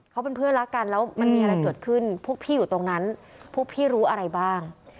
เขาเป็นเพื่อนรักกันแล้วมันมีอะไรเกิดขึ้นพวกพี่อยู่ตรงนั้นพวกพี่รู้อะไรบ้าง